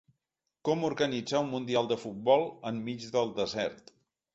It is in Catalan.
Com organitzar un mundial de futbol enmig del desert.